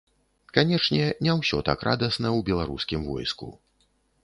Канечне, не ўсё так радасна ў беларускім войску.